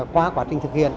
qua quá trình thực hiện